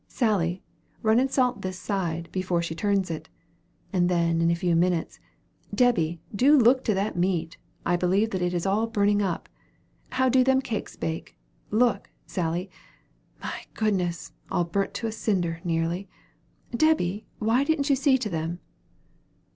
Sally, run and salt this side, before she turns it." And then, in a few moments, "Debby, do look to that meat. I believe that it is all burning up. How do them cakes bake? look, Sally. My goodness! all burnt to a cinder, nearly. Debby, why didn't you see to them?"